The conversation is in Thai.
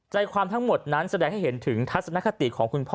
ใจความทั้งหมดนั้นแสดงให้เห็นถึงทัศนคติของคุณพ่อ